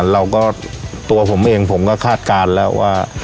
ตัวผมเองผมก็คาดการณ์แล้วว่า